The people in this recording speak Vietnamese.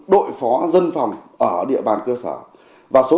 đội phó dân phòng ở địa bàn cơ sở và số